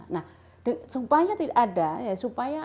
nah supaya ada ya